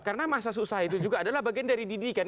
karena masa susah itu juga adalah bagian dari didikan